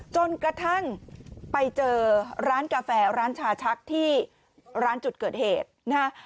จนกระทั่งไปเจอร้านกาแฟร้านชาชักที่ร้านจุดเกิดเหตุนะฮะ